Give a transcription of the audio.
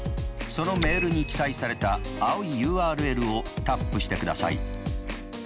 そのメールに記載された青いＵＲＬをタップしてください。